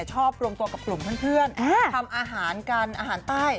ชอบรวมตัวกับกลุ่มเพื่อนทำอาหารกันอาหารใต้